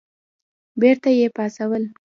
بېرته یې پاڅول.